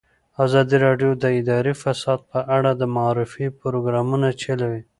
ازادي راډیو د اداري فساد په اړه د معارفې پروګرامونه چلولي.